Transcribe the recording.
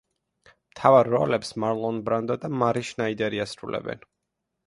მთავარ როლებს მარლონ ბრანდო და მარი შნაიდერი ასრულებენ.